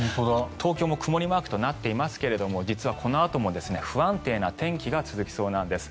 東京も曇りマークとなっていますが実はこのあとも不安定な天気が続きそうなんです。